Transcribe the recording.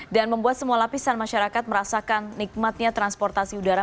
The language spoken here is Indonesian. dan membuat semua lapisan masyarakat merasakan nikmatnya transportasi udara